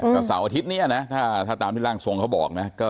ก็เสาร์อาทิตย์นี้นะถ้าตามที่ร่างทรงเขาบอกนะ